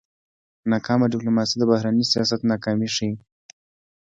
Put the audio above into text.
ناکامه ډيپلوماسي د بهرني سیاست ناکامي ښيي.